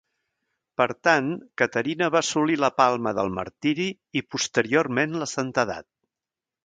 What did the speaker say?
Per tant, Caterina va assolir la palma del martiri i posteriorment la santedat.